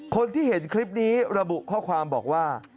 คนที่เห็นคลิปนี้ระบุข้อความบอกว่า